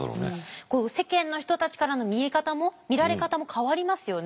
世間の人たちからの見え方も見られ方も変わりますよね